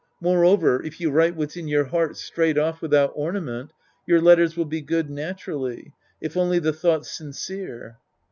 Moreover, if you write what's in your heart straight off without orna ment, your letters will be good naturally. If only the thought's sincere.